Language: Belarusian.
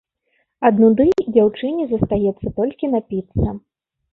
Ад нуды дзяўчыне застаецца толькі напіцца.